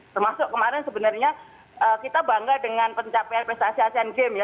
termasuk kemarin sebenarnya kita bangga dengan pencapaian prestasi asean games ya